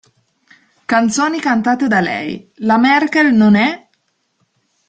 Canzoni cantate da lei: "La Merkel non è...".